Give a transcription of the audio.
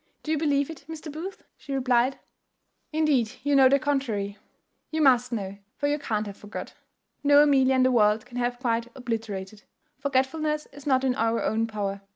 "Do you believe it, Mr. Booth?" replied she; "indeed you know the contrary you must know for you can't have forgot. No Amelia in the world can have quite obliterated forgetfulness is not in our own power.